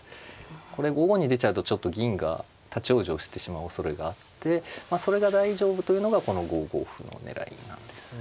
これ５五に出ちゃうとちょっと銀が立往生してしまうおそれがあってそれが大丈夫というのがこの５五歩の狙いなんですね。